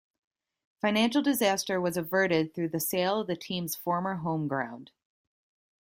Financial disaster was averted through the sale of the team's former home ground.